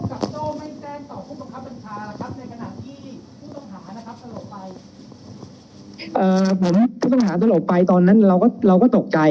แล้วทำไมผู้กับโจ้ไม่แจ้งต่อผู้ประคับปัญชาครับในขณะที่ผู้ต้องหานะครับสลบไป